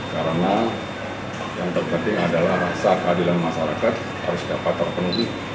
karena yang terpenting adalah rasa keadilan masyarakat harus dapat terpenuhi